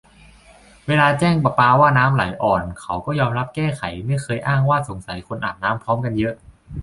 เวลาแจ้งประปาว่าน้ำไหลอ่อน เขาก็ยอมรับแก้ไข ไม่เคยอ้างว่า 'สงสัยคนอาบน้ำพร้อมกันเยอะ'